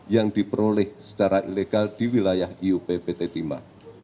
yang diperoleh secara ilegal di wilayah iup pt tima